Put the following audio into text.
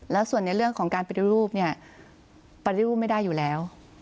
แล้วส่วนในเรื่องของการปฏิรูปเนี่ยปฏิรูปไม่ได้อยู่แล้ว